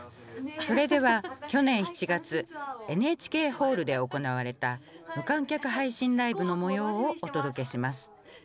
それでは去年７月ＮＨＫホールで行われた無観客配信ライブの模様をお届けします。